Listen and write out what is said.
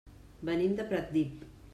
Venim de Pratdip.